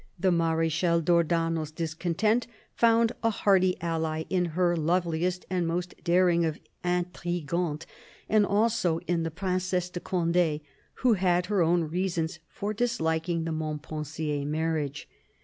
The Marechal d'Ornano's discontent found a hearty ally in her, loveliest and most daring of intrigantes, and also in the Princesse de Conde, who had her own reasons for disliking the Montpensier marriage.